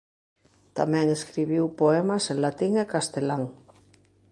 Tamén escribiu poemas en latín e castelán.